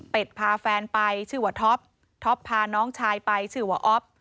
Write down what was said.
เป็นพาแฟนไปชื่อว่าท็อปท็อปพาน้องชายไปชื่อว่าอ๊อฟ